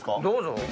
どうぞ。